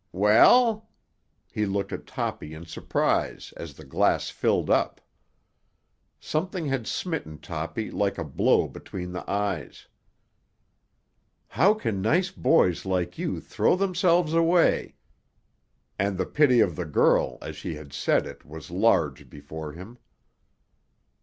"Well?" He looked at Toppy in surprise as the glass filled up. Something had smitten Toppy like a blow between the eyes——"How can nice boys like you throw themselves away?" And the pity of the girl as she had said it was large before him.